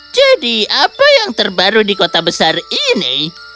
apa yang terbaru di kota besar ini